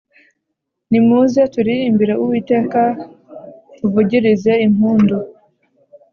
Nimuze turirimbire uwiteka tuvugirize impundu